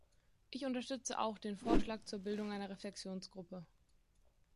Ich unterstütze auch den Vorschlag zur Bildung einer Reflexionsgruppe.